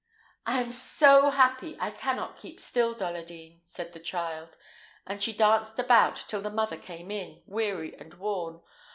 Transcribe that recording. "I am so happy, I can not keep still, Dolladine," said the child; and she danced about till the mother came in, weary and worn.